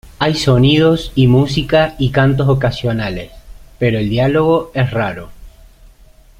Hay sonidos y música y cantos ocasionales, pero el diálogo es raro.